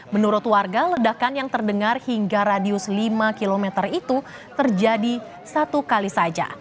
menurut warga ledakan yang terdengar hingga radius lima km itu terjadi satu kali saja